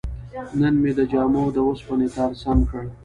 نن مې د جامو د وسپنې تار سم کړ.